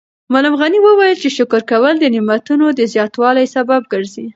معلم غني وویل چې شکر کول د نعمتونو د زیاتوالي سبب ګرځي.